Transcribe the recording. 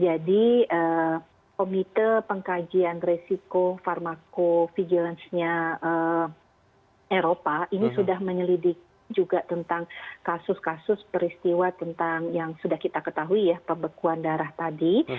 jadi komite pengkajian resiko farmakofigilansnya eropa ini sudah menyelidik juga tentang kasus kasus peristiwa tentang yang sudah kita ketahui ya pembekuan darah tadi